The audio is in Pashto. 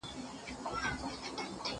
زه اجازه لرم چي انځور وګورم!!